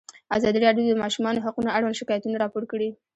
ازادي راډیو د د ماشومانو حقونه اړوند شکایتونه راپور کړي.